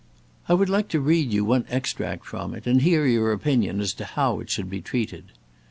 I would like to read you one extract from it, and hear your opinion as to how it should be treated."